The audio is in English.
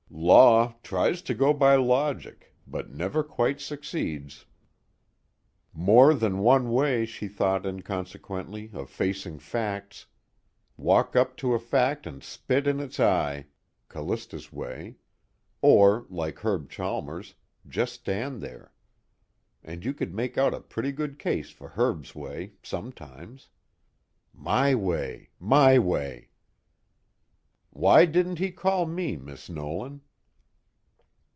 Law tries to go by logic, but never quite succeeds." More than one way, she thought inconsequently, of facing facts: walk up to a fact and spit in its eye, Callista's way; or, like Herb Chalmers, just stand there. And you could make out a pretty good case for Herb's way, sometimes. My way my way... "Why didn't he call me, Miss Nolan?"